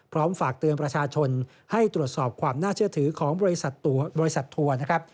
ฝากเตือนประชาชนให้ตรวจสอบความน่าเชื่อถือของบริษัททัวร์นะครับ